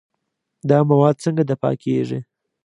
دا مواد څنګه دفع کېږي؟